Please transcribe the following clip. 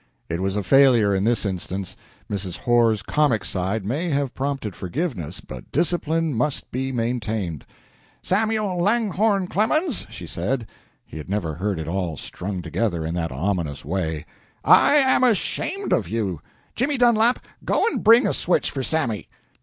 It was a failure in this instance. Mrs. Horr's comic side may have prompted forgiveness, but discipline must be maintained. "Samuel Langhorne Clemens," she said (he had never heard it all strung together in that ominous way), "I am ashamed of you! Jimmy Dunlap, go and bring a switch for Sammy."